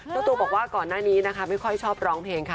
เจ้าตัวบอกว่าก่อนหน้านี้นะคะไม่ค่อยชอบร้องเพลงค่ะ